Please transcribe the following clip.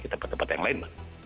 di tempat tempat yang lain